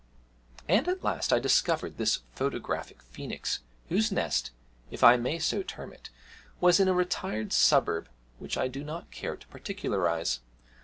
And at last I discovered this photographic phoenix, whose nest, if I may so term it, was in a retired suburb which I do not care to particularise.